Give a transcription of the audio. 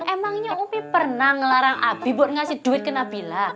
emangnya ummi pernah ngelarang abing buat ngasih duit ke nabilah